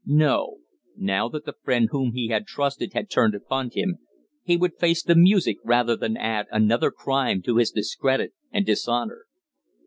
No. Now that the friend whom he had trusted had turned upon him, he would face the music rather than add another crime to his discredit and dishonour.